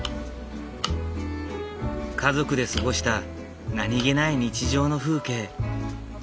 家族で過ごした何気ない日常の風景。